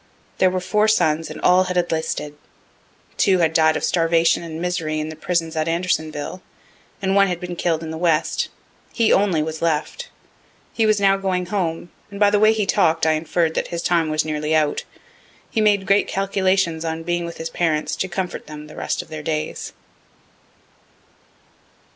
There were four sons, and all had enlisted. Two had died of starvation and misery in the prison at Andersonville, and one had been kill'd in the west. He only was left. He was now going home, and by the way he talk'd I inferr'd that his time was nearly out. He made great calculations on being with his parents to comfort them the rest of their days.